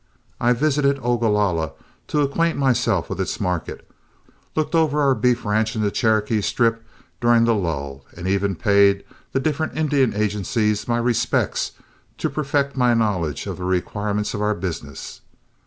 I visited Ogalalla to acquaint myself with its market, looked over our beef ranch in the Cherokee Strip during the lull, and even paid the different Indian agencies my respects to perfect my knowledge of the requirements of our business.